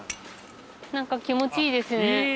何か気持ちいいですね。